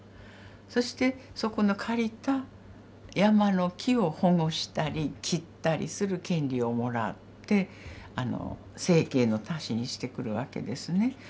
そしてそこの借りた山の木を保護したり切ったりする権利をもらって生計の足しにしてくるわけですね。